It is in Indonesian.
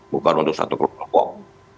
bukan untuk satu kelompok